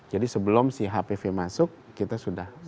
jadi sebelum si hpv masuk kita sudah membuat